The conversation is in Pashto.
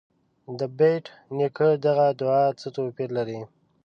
د بېټ نیکه دغه دعا څه توپیر لري.